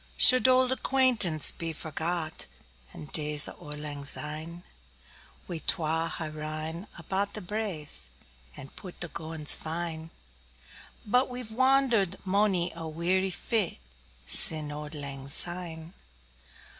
Should auld acquaintance be forgot, And days o' lang syne? We twa hae rin about the braes, 5 And pu'd the gowans fine; But we've wander'd monie a weary fit Sin' auld lang syne.